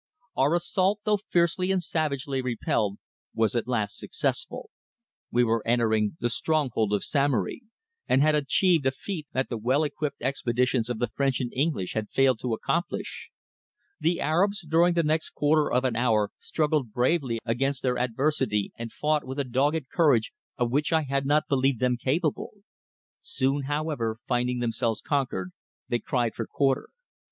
Our assault, though fiercely and savagely repelled, was at last successful. We were entering the stronghold of Samory, and had achieved a feat that the well equipped expeditions of the French and English had failed to accomplish. The Arabs during the next quarter of an hour struggled bravely against their adversity and fought with a dogged courage of which I had not believed them capable. Soon, however, finding themselves conquered, they cried for quarter.